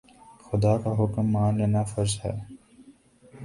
خدا کا حکم مان لینا فرض ہے